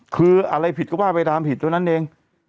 คืออะไรผิดก็ว่าไปตามผิดเท่านั้นเอง